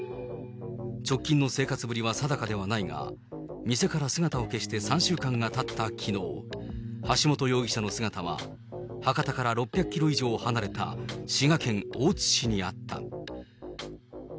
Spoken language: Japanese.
直近の生活ぶりは定かではないが、店から姿を消して３週間がたったきのう、橋本容疑者の姿は博多から６００キロ以上離れた滋賀県大津市にあった。